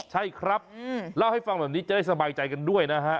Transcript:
ใช่ครับเล่าให้ฟังแบบนี้จะได้สบายใจกันด้วยนะฮะ